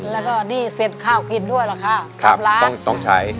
แล้วก็นี่เซ็ตข้าวกินด้วยละค่ะครับต้องใช้